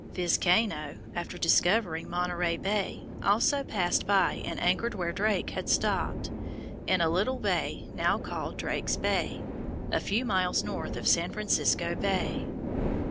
Vizcaino, after discovering Monterey Bay, also passed by and anchored where Drake had stopped, in a little bay now called Drake's Bay, a few miles north of San Francisco Bay.